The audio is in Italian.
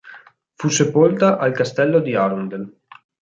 Fu sepolta al Castello di Arundel.